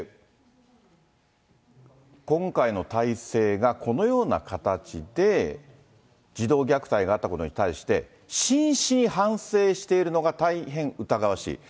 今回の体制が、このような形で児童虐待があったことに対して、真摯に反省しているのか、大変疑わしい。